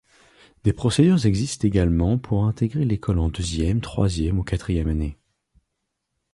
Des procédures existent également pour intégrer l’école en deuxième, troisième ou quatrième année.